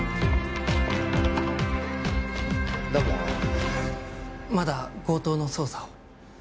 どうもまだ強盗の捜査を？